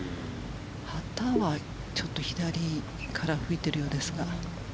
旗はちょっと左から吹いているようですが。